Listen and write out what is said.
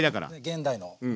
現代の。